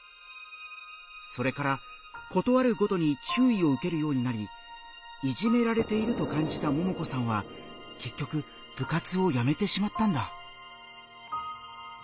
それから事あるごとに注意を受けるようになりいじめられていると感じたももこさんは結局部活をやめてしまったんだ。